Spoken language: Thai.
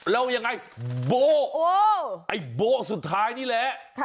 แล้วยังไงโบไอ้โบ๊สุดท้ายนี่แหละ